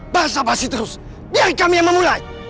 bahasa pasti terus biar kami yang memulai